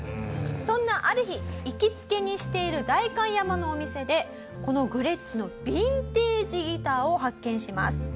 そんなある日行きつけにしている代官山のお店でこのグレッチのヴィンテージギターを発見します。